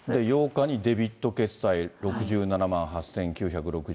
８日にデビット決済、６７万８９６７円。